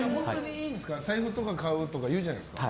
財布とか買うって言うじゃないですか。